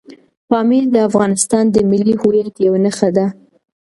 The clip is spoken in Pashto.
پامیر د افغانستان د ملي هویت یوه نښه ده.